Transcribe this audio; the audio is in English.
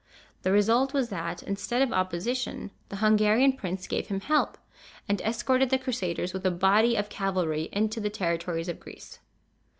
The result was that, instead of opposition, the Hungarian prince gave him help, and escorted the Crusaders with a body of cavalry into the territories of Greece.